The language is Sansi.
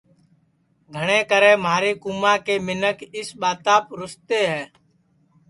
گھٹؔے کرے مہاری کُوماں کے منکھ اِس ٻاتاپ رُستے ہے